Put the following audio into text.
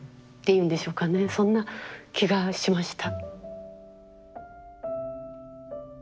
そんな気がしました。